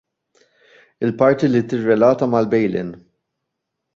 Il-parti li tirrelata mal-bail in.